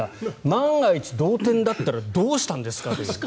万が一、同点だったらどうしたんですか？という。